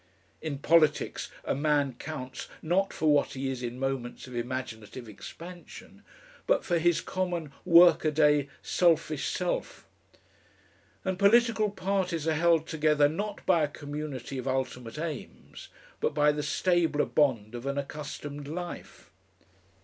In politics a man counts not for what he is in moments of imaginative expansion, but for his common workaday, selfish self; and political parties are held together not by a community of ultimate aims, but by the stabler bond of an accustomed life.